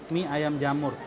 mie ayam jamur